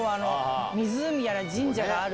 湖やら神社がある。